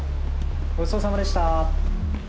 ごちそうさまでした。